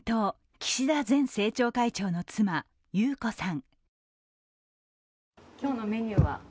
岸田前政調会長の妻・裕子さん。